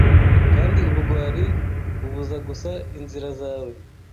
Kandi ubugwari bubuza gusa inzira zawe